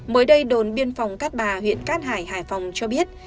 mới đây đồn biên phòng cát bà huyện cát hải hải phòng cho biết